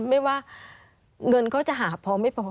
ไม่ว่าเงินเขาจะหาพอไม่พอ